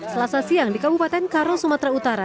selasa siang di kabupaten karo sumatera utara